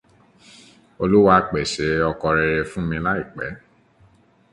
Olúwa pèsè ọkọ rere fún mi láìpẹ́.